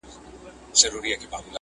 په ډوډۍ به یې د غم عسکر ماړه وه،